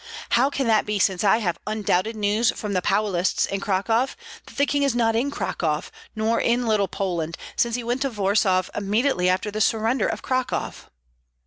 How can that be since I have undoubted news from the Paulists in Cracow that the king is not in Cracow, nor in Little Poland, since he went to Warsaw immediately after the surrender of Cracow."